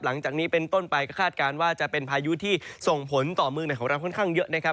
หลังจากนี้เป็นต้นไปก็คาดการณ์ว่าจะเป็นพายุที่ส่งผลต่อเมืองไหนของเราค่อนข้างเยอะนะครับ